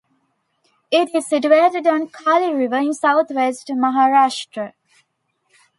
It is situated on Karli River in southwest Maharashtara.